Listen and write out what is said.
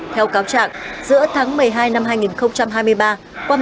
theo cáo trạng giữa tháng một mươi hai năm hai nghìn hai mươi ba